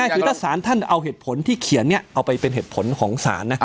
คือถ้าสารท่านเอาเหตุผลที่เขียนเอาไปเป็นเหตุผลของศาลนะ